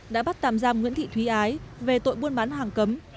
đã bắt tàm giam nguyễn thị thúy ái về tội buôn bán hàng cấm